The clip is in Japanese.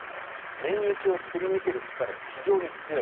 免疫をすり抜ける力が非常に強い。